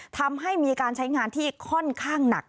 ทำให้มีการใช้งานที่ค่อนข้างหนัก